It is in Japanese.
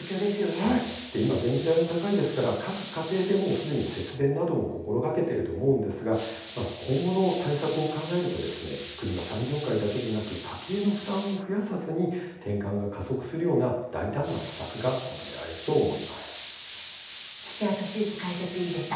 電気代も高いですから各家庭でも節電などを心がけていると思うんですが今後の対策を考えるうえで国は産業界だけでなく、家計の負担を増やさず転換を加速するような土屋敏之解説委員でした。